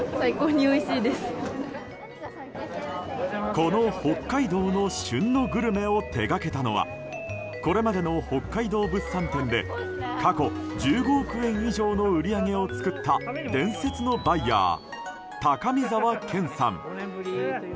この北海道の旬のグルメを手掛けたのはこれまでの北海道物産展で過去１５億円以上の売り上げを作った伝説のバイヤー、高見澤健さん。